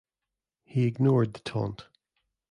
He ignored the taunt.